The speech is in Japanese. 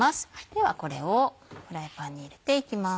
ではこれをフライパンに入れていきます。